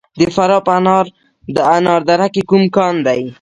د فراه په انار دره کې کوم کان دی؟